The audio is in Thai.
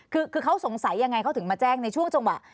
คือเขาสงสัยยังไงเขาถึงมาแจ้งในช่วงจังหวะ